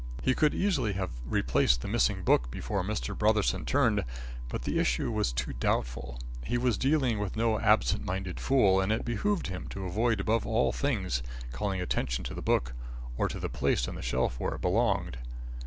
He could easily have replaced the missing book before Mr. Brotherson turned. But the issue was too doubtful. He was dealing with no absent minded fool, and it behooved him to avoid above all things calling attention to the book or to the place on the shelf where it belonged.